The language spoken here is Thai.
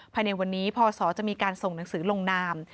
ภายในวันนี้พศจะมีการส่งหนังสือลงนาม